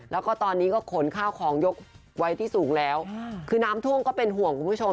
แล้วก็ตอนนี้ก็ขนข้าวของยกไว้ที่สูงแล้วคือน้ำท่วมก็เป็นห่วงคุณผู้ชม